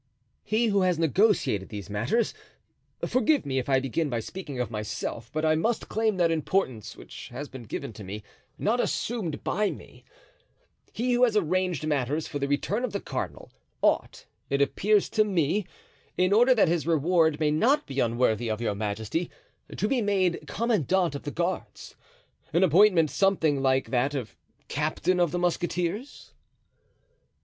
"He who has negotiated these matters (forgive me if I begin by speaking of myself, but I must claim that importance which has been given to me, not assumed by me) he who has arranged matters for the return of the cardinal, ought, it appears to me, in order that his reward may not be unworthy of your majesty, to be made commandant of the guards—an appointment something like that of captain of the musketeers."